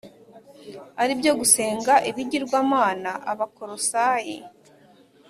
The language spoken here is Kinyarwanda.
ari byo gusenga ibigirwamana Abakolosayi